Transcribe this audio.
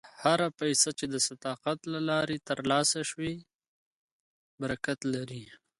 هره پیسه چې د صداقت له لارې ترلاسه شوې وي، برکت لري.